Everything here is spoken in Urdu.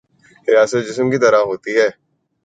ریاست جسم کی طرح ہوتی ہے۔